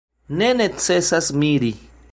Ne necesas miri.